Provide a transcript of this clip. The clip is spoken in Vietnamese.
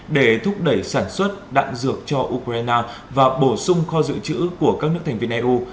để thúc đẩy sản xuất đạn dược cho ukraine và bổ sung kho dự trữ của các nước thành viên eu